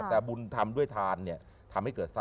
แต่บุญทำด้วยทานทำให้เกิดทรัพย์